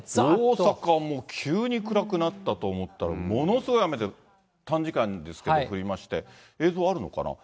大阪も急に暗くなったと思ったら、ものすごい雨で、短時間ですけど降りまして、映像あるのかな。